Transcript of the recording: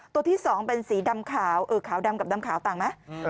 ตัวที่๒เป็นสีดำขาวเออขาวดำกับดำขาวต่างมั้ย